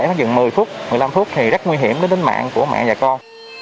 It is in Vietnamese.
trễ nó dừng một mươi phút một mươi năm phút thì rất nguy hiểm đến đến mạng của mạng và con